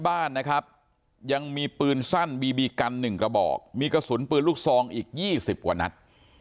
บ้านนะครับยังมีปืนสั้นบีบีกัน๑กระบอกมีกระสุนปืนลูกซองอีก๒๐กว่านัด